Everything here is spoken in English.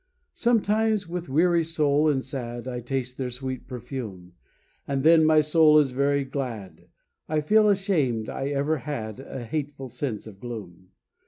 Sometimes with weary soul and sad, I taste their sweet perfume; And then my soul is very glad, I feel ashamed I ever had A hateful sense of gloom.